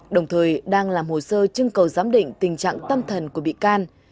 đồng thời đang làm hồ sơ trưng cầu giám định tình trạng tâm thần của bị can